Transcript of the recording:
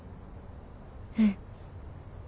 うん。